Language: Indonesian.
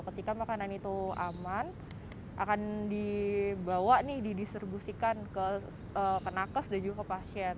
ketika makanan itu aman akan dibawa didistribusikan ke penakes dan juga pasien